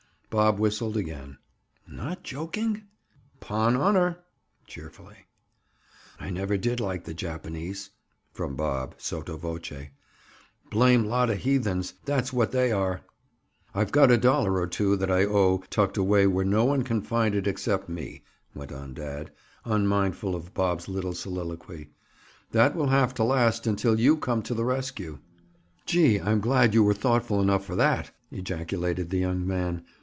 Bob whistled again. "Not joking?" "'Pon honor!" Cheerfully. "I never did like the Japanese," from Bob, sotto voce. "Blame lot of heathens—that's what they are!" "I've got a dollar or two that I owe tucked away where no one can find it except me," went on dad, unmindful of Bob's little soliloquy. "That will have to last until you come to the rescue." "Gee! I'm glad you were thoughtful enough for that!" ejaculated the young man.